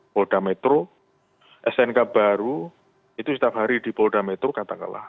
polda metro snk baru itu setiap hari di polda metro katakanlah